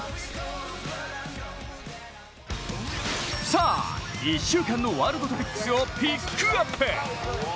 さあ、１週間のワールド・トピックスをピックアップ。